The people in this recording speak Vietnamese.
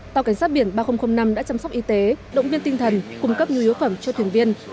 tàu cảnh sát biển ba nghìn năm đã chăm sóc y tế động viên tinh thần cung cấp nhu yếu phẩm cho thuyền viên